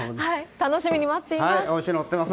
楽しみに待っています。